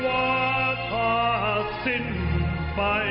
ไม่ได้ชีวภาษาสิ้นไป